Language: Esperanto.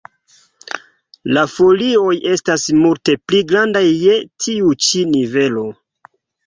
La folioj estas multe pli grandaj je tiu ĉi nivelo.